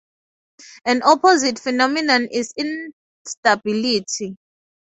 An opposite phenomenon is instability.